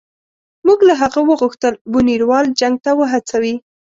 موږ له هغه وغوښتل بونیروال جنګ ته وهڅوي.